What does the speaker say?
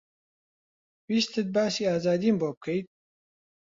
ویستت باسی ئازادیم بۆ بکەیت؟